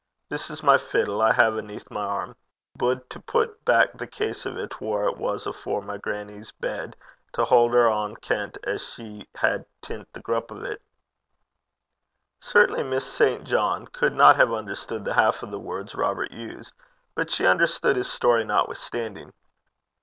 This is my fiddle I hae aneath my airm. We bude to pit back the case o' 't whaur it was afore, i' my grannie's bed, to haud her ohn kent 'at she had tint the grup o' 't.' Certainly Miss St. John could not have understood the half of the words Robert used, but she understood his story notwithstanding.